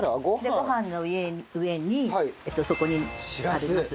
ご飯の上にそこにあります